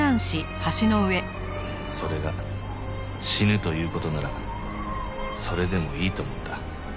それが死ぬという事ならそれでもいいと思った。